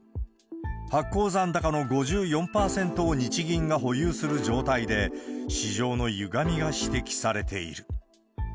発行残高の５４％を日銀が保有する状態で、市場のゆがみが指摘されている。